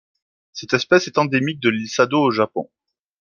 Cette espèce est endémique de l'île Sado au Japon.